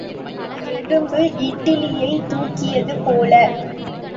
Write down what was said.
எறும்பு இட்டலியைத் தூக்கியது போல.